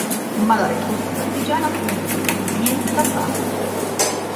Ma la risposta partigiana fu univoca, "niente da fare".